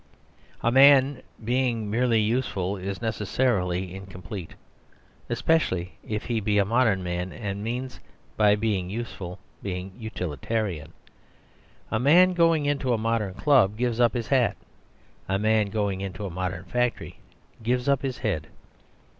A man, being merely useful, is necessarily incomplete, especially if he be a modern man and means by being useful being "utilitarian." A man going into a modern club gives up his hat; a man going into a modern factory gives up his head.